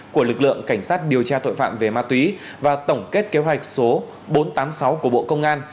của lực lượng cảnh sát điều tra tội phạm về ma túy và tổng kết kế hoạch số bốn trăm tám mươi sáu của bộ công an